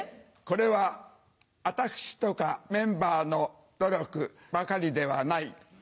「これは私とかメンバーの努力ばかりではない。